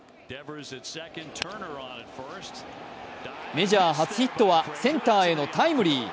メジャー初ヒットはセンターへのタイムリー。